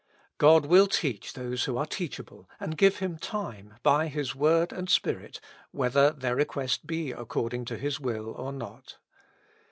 God will teach those who are teachable and give Him time, by His Word and Spirit, whether their request be according to His will or not.